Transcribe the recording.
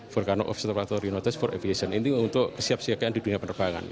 volcano observatory notice for aviation ini untuk kesiap siapkan di dunia penerbangan